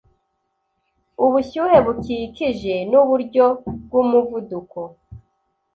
ubushyuhe bukikije nuburyo bwumuvuduko